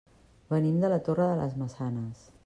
Venim de la Torre de les Maçanes.